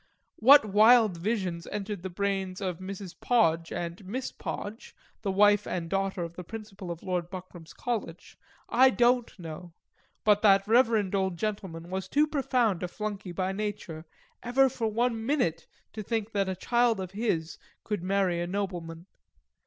What wild visions entered the brains of Mrs. Podge and Miss Podge, the wife and daughter of the Principal of Lord Buckram's College, I don't know, but that reverend old gentleman was too profound a flunkey by nature ever for one minute to think that a child of his could marry a nobleman.